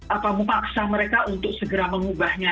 apa memaksa mereka untuk segera mengubahnya